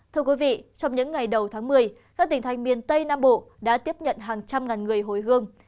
thưa quý vị trong những ngày đầu tháng một mươi các tỉnh thành miền tây nam bộ đã tiếp nhận hàng trăm ngàn người hồi hương